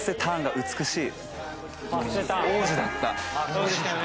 そうでしたよね。